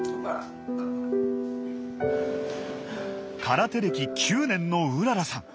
空手歴９年のうららさん。